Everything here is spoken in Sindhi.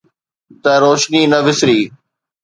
ته روشني نه وسري.